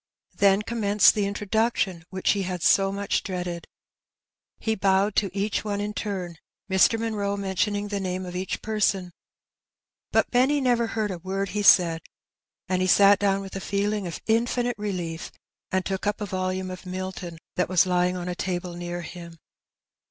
Then commenced the introduction which he had so much dreaded. He bowed to each one ia turn, Mr. Munroe mentioning the name of each person; but Benny never heard a word he said,^ and he sat down with a feeling of infinite relief, and took up a volume of Milton that was lying on a table near him.